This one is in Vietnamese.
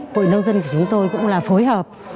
hội nông dân của chúng tôi cũng là phối hợp